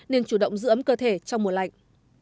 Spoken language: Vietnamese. nên chủ động giữ ấm cơ thể trong mùa lạnh